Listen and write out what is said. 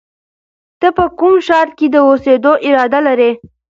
ته په کوم ښار کې د اوسېدو اراده لرې؟